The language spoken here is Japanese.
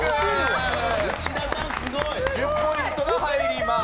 １０ポイントが入ります。